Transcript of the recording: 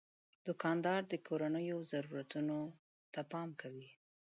دوکاندار د کورنیو ضرورتونو ته پام کوي.